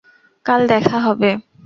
কাল দেখা হবে!